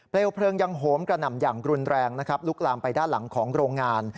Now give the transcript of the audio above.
เพลิงยังโหมกระหน่ำอย่างรุนแรงนะครับลุกลามไปด้านหลังของโรงงาน